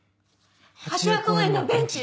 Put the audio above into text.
八谷公園のベンチ！